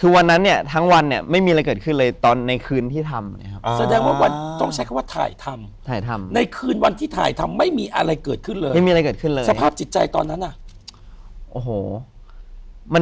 คือวันนั้นเนี่ยทั้งวันเนี่ยไม่มีอะไรเกิดขึ้นเลยตอนในคืนที่ทำเนี่ยครับ